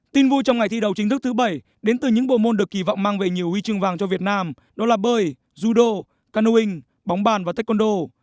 tin vui trong ngày thi đầu chính thức thứ bảy đến từ những bộ môn được kỳ vọng mang về nhiều huy chương vàng cho việt nam đó là bơi judo canoeing bóng bàn và taekwondo